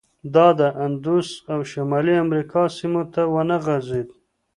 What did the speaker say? دا د اندوس او شمالي امریکا سیمو ته ونه غځېد.